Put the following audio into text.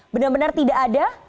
benar benar tidak ada